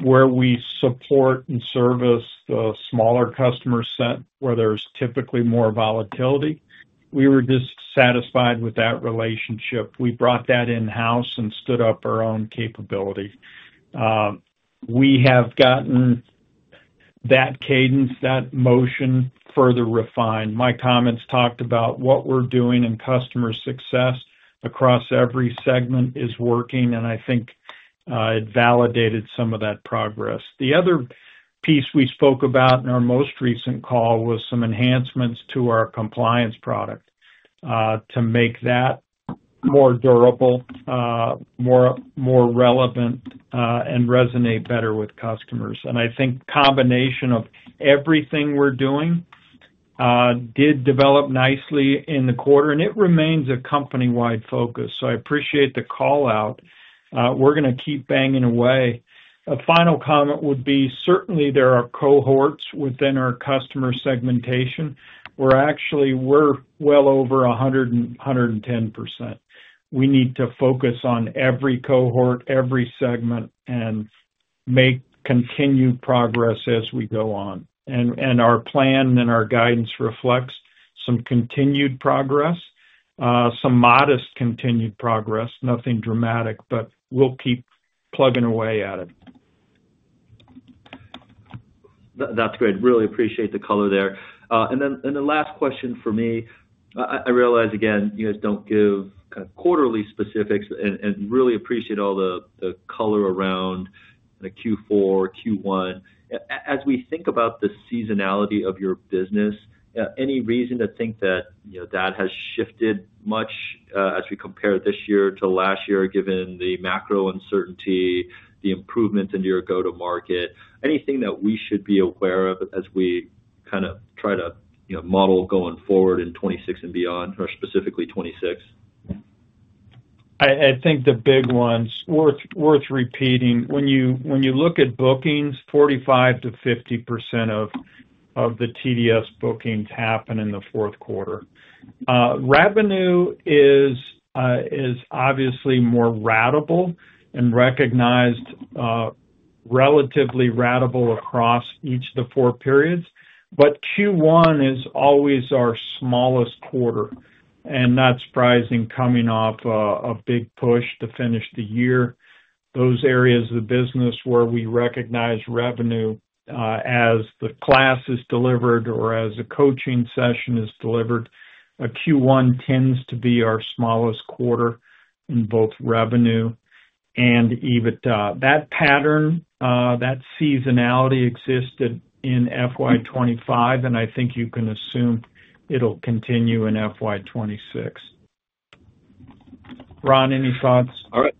where we support and service the smaller customer set where there's typically more volatility. We were dissatisfied with that relationship. We brought that in-house and stood up our own capability. We have gotten that cadence, that motion further refined. My comments talked about what we're doing and customer success across every segment is working, and I think it validated some of that progress. The other piece we spoke about in our most recent call was some enhancements to our compliance product to make that more durable, more relevant, and resonate better with customers. I think the combination of everything we're doing did develop nicely in the quarter, and it remains a company-wide focus. I appreciate the call-out. We're going to keep banging away. A final comment would be, certainly, there are cohorts within our customer segmentation. We're actually well over 100% and 110%. We need to focus on every cohort, every segment, and continue progress as we go on. Our plan and our guidance reflects some continued progress, some modest continued progress, nothing dramatic, but we'll keep plugging away at it. That's great. Really appreciate the color there. The last question for me, I realize, again, you guys don't give kind of quarterly specifics and really appreciate all the color around Q4, Q1. As we think about the seasonality of your business, any reason to think that that has shifted much as we compare this year to last year, given the macro uncertainty, the improvements in your go-to-market? Anything that we should be aware of as we kind of try to model going forward in 2026 and beyond, or specifically 2026? I think the big ones worth repeating. When you look at bookings, 45%-50% of the TDS bookings happen in the fourth quarter. Revenue is obviously more ratable and recognized, relatively ratable across each of the four periods. Q1 is always our smallest quarter. Not surprising, coming off a big push to finish the year, those areas of the business where we recognize revenue as the class is delivered or as a coaching session is delivered, Q1 tends to be our smallest quarter in both revenue and EBITDA. That pattern, that seasonality existed in fiscal year 2025, and I think you can assume it will continue in fiscal year 2026. Ron, any thoughts? All right.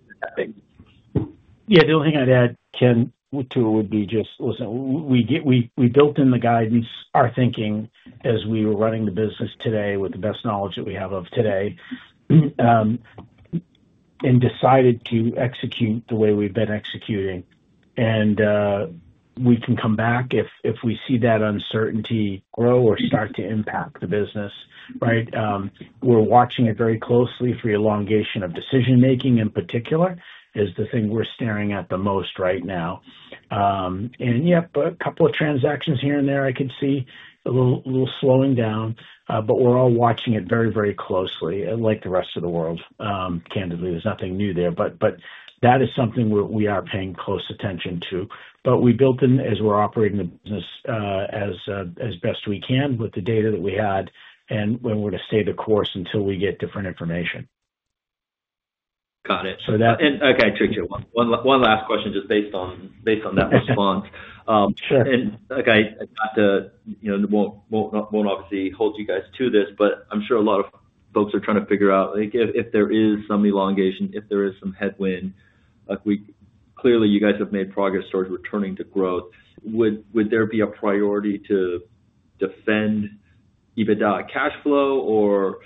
Yeah. The only thing I'd add, Ken, to it would be just, listen, we built in the guidance, our thinking as we were running the business today with the best knowledge that we have of today, and decided to execute the way we've been executing. We can come back if we see that uncertainty grow or start to impact the business, right? We're watching it very closely for elongation of decision-making in particular is the thing we're staring at the most right now. Yep, a couple of transactions here and there I could see a little slowing down, but we're all watching it very, very closely, like the rest of the world, candidly. There's nothing new there. That is something we are paying close attention to. We built in, as we're operating the business, as best we can with the data that we had and we're to stay the course until we get different information. Got it. Okay, Thank you, one last question just based on that response. Okay, I won't obviously hold you guys to this, but I'm sure a lot of folks are trying to figure out if there is some elongation, if there is some headwind. Clearly, you guys have made progress towards returning to growth. Would there be a priority to defend EBITDA cash flow, or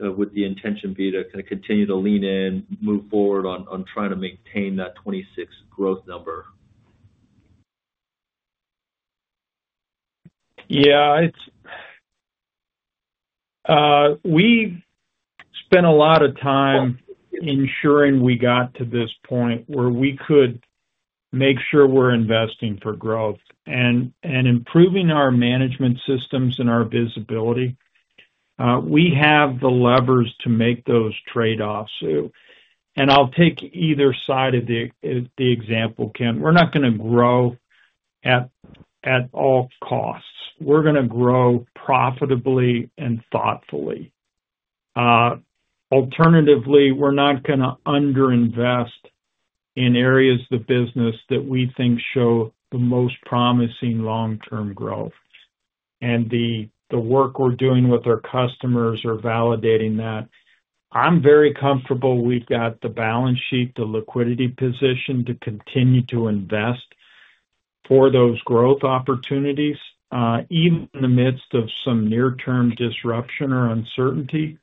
would the intention be to kind of continue to lean in, move forward on trying to maintain that '26 growth number? Yeah. We spent a lot of time ensuring we got to this point where we could make sure we're investing for growth and improving our management systems and our visibility. We have the levers to make those trade-offs. I'll take either side of the example, Ken. We're not going to grow at all costs. We're going to grow profitably and thoughtfully. Alternatively, we're not going to underinvest in areas of the business that we think show the most promising long-term growth. The work we're doing with our customers are validating that. I'm very comfortable we've got the balance sheet, the liquidity position to continue to invest for those growth opportunities, even in the midst of some near-term disruption or uncertainty.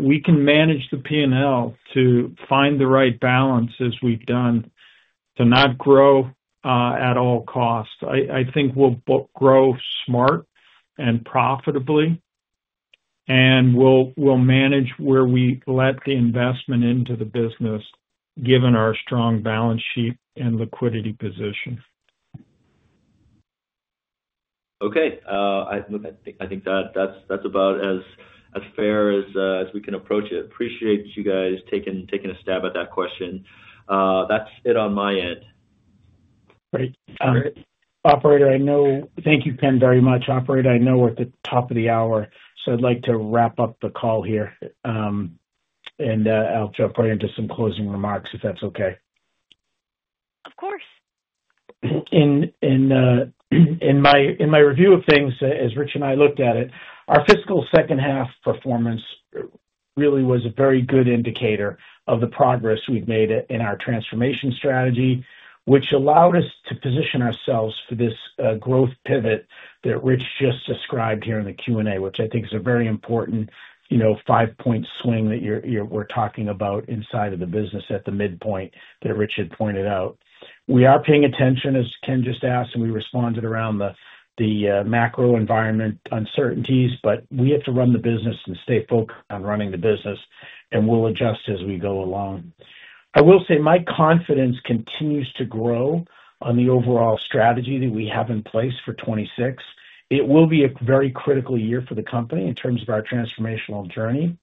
We can manage the P&L to find the right balance, as we've done, to not grow at all cost. I think we'll grow smart and profitably, and we'll manage where we let the investment into the business, given our strong balance sheet and liquidity position. Okay. I think that's about as fair as we can approach it. Appreciate you guys taking a stab at that question. That's it on my end. All right. Operator, I know thank you, Ken, very much. Operator, I know we're at the top of the hour, so I'd like to wrap up the call here. I'll jump right into some closing remarks if that's okay. Of course. In my review of things, as Rich and I looked at it, our fiscal second-half performance really was a very good indicator of the progress we've made in our transformation strategy, which allowed us to position ourselves for this growth pivot that Rich just described here in the Q&A, which I think is a very important five-point swing that we're talking about inside of the business at the midpoint that Rich had pointed out. We are paying attention, as Ken just asked, and we responded around the macro environment uncertainties, but we have to run the business and stay focused on running the business, and we'll adjust as we go along. I will say my confidence continues to grow on the overall strategy that we have in place for 2026. It will be a very critical year for the company in terms of our transformational journey.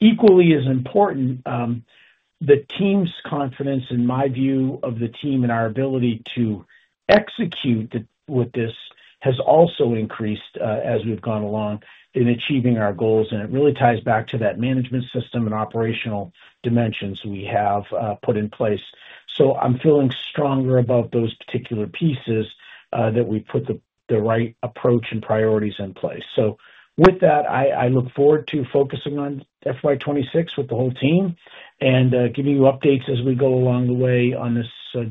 Equally as important, the team's confidence, in my view of the team and our ability to execute with this has also increased as we've gone along in achieving our goals. It really ties back to that management system and operational dimensions we have put in place. I am feeling stronger about those particular pieces that we put the right approach and priorities in place. With that, I look forward to focusing on FY 2026 with the whole team and giving you updates as we go along the way on this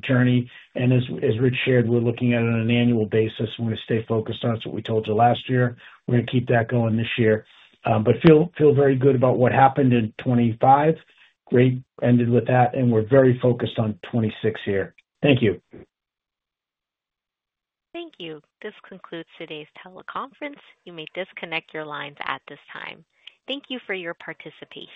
journey. As Rich shared, we're looking at it on an annual basis. We're going to stay focused on it. It's what we told you last year. We're going to keep that going this year. I feel very good about what happened in 2025. Great ended with that, and we're very focused on 2026 here. Thank you. Thank you. This concludes today's teleconference. You may disconnect your lines at this time. Thank you for your participation.